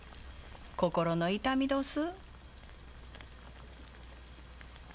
心の痛みどす。